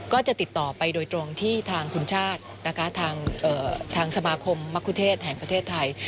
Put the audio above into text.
ก็จะติดต่อไปโดยตรงที่ทางคุณชาตินะคะทางสมาคมมะคุเทศแห่งประเทศไทย